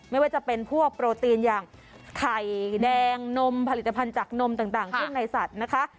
ไม่ว่าจะเป็นพวกโปรตีนอย่างไข่แดงนมผลิตภัณฑ์จากนมต่างเครื่องในสัตว์นะคะ